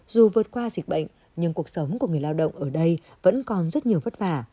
dù vượt qua dịch bệnh nhưng cuộc sống của người lao động ở đây vẫn còn rất nhiều vất vả